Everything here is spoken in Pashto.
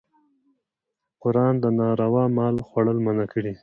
قرآن د ناروا مال خوړل منع کړي.